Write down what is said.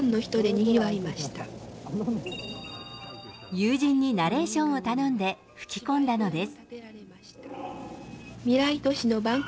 友人にナレーションを頼んで吹き込んだのです。